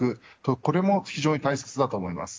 これも非常に大切だと思います。